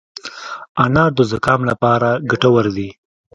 انار د زکام لپاره ګټور دی.